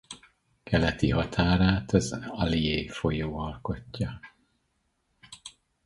Keleti határát az Allier folyó alkotja.